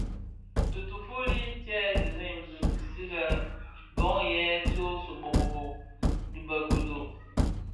Tifufuli tye dheresi bisi lè bon i ntsōmōrōgō dhi be Kodo,